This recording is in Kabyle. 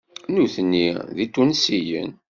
Nutni d Itunsiyen.